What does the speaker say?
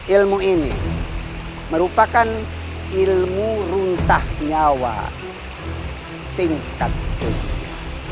ilmu ini merupakan ilmu runtah nyawa tingkat dunia